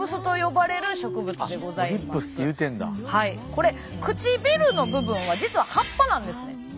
これ唇の部分は実は葉っぱなんですね。